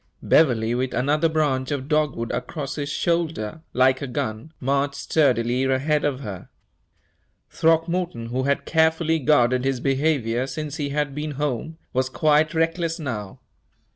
Beverley, with another branch of dogwood across his shoulder, like a gun, marched sturdily ahead of her. Throckmorton, who had carefully guarded his behavior since he had been home, was quite reckless now.